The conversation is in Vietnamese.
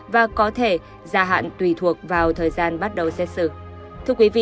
và có thể gia hạn tùy thuộc vào thời gian bắt đầu xét xử